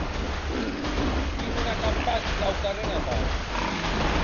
Qui non a campat quauquarren atau?